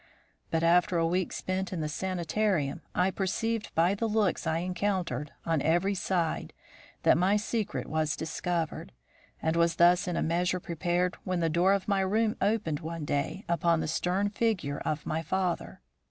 "But after a week spent in the sanitarium, I perceived by the looks I encountered, on every side, that my secret was discovered; and was thus in a measure prepared when the door of my room opened one day upon the stern figure of my father.